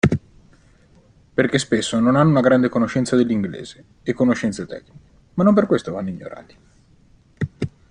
Perché spesso non hanno una grande conoscenza dell'inglese e conoscenze tecniche ma non per questo vanno ignorati.